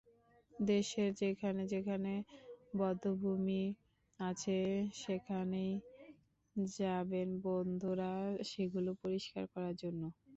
দেশের যেখানে যেখানে বধ্যভূমি আছে, সেখানেই যাবেন বন্ধুরা সেগুলো পরিষ্কার করার জন্য।